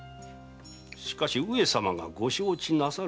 しかし上様がご承知なさるかな？